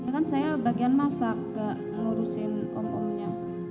kan saya bagian masak gak ngurusin om omnya